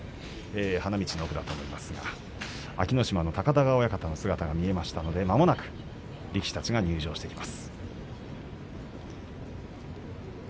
花道の奥だと思いますが安芸乃島の高田川親方の姿が見えましたので、まもなく力士たちが入場してきます。